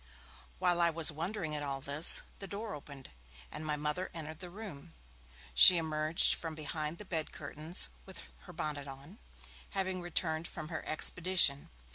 While I was wondering at all this, the door opened, and my Mother entered the room; she emerged from behind the bed curtains, with her bonnet on, having returned from her expedition.